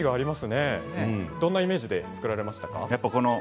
どんなイメージで作られましたか。